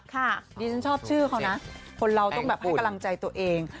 ดิฉันชอบชื่อเขานะคนเราต้องแบบให้กำลังใจตัวเอง